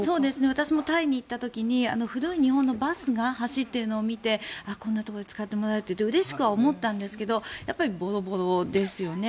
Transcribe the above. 私もタイに行った時に古い日本のバスが走っているのを見てこんなところで使ってもらえるってうれしくは思ったんですがやっぱりボロボロですよね。